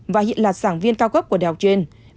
và hiện là sản viên cao cấp của đại học jane